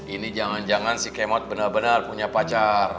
ini jangan jangan si kemot benar benar punya pacar